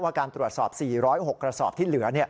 การตรวจสอบ๔๐๖กระสอบที่เหลือ